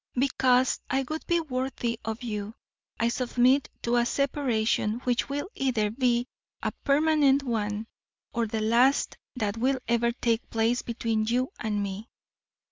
Because I would be worthy of you, I submit to a separation which will either be a permanent one or the last that will ever take place between you and me.